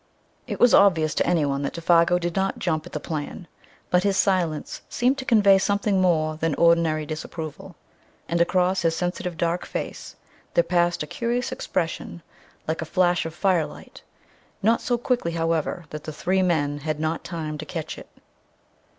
It was obvious to anyone that Défago did not jump at the plan, but his silence seemed to convey something more than ordinary disapproval, and across his sensitive dark face there passed a curious expression like a flash of firelight not so quickly, however, that the three men had not time to catch it.